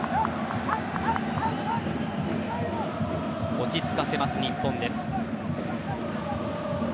落ち着かせます、日本。